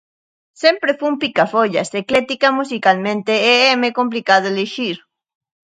Sempre fun picafollas, ecléctica musicalmente, e éme complicado elixir...